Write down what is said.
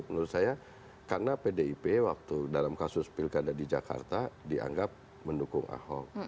menurut saya karena pdip waktu dalam kasus pilkada di jakarta dianggap mendukung ahok